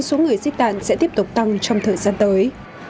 số người di tản sẽ tiếp tục tăng trong thời gian tới